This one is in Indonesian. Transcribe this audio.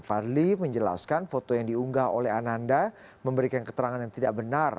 fadli menjelaskan foto yang diunggah oleh ananda memberikan keterangan yang tidak benar